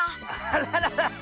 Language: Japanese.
あららら！